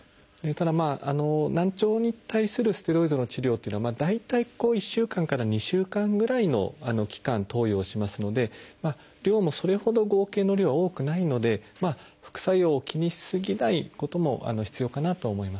ただ難聴に対するステロイドの治療っていうのは大体１週間から２週間ぐらいの期間投与をしますので量もそれほど合計の量は多くないので副作用を気にし過ぎないことも必要かなと思います。